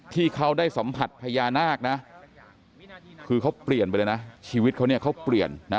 ที่เขาได้สัมผัสพญานาคนะคือเขาเปลี่ยนไปเลยนะชีวิตเขาเนี่ยเขาเปลี่ยนนะ